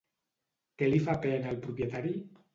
Què li fa pena al propietari?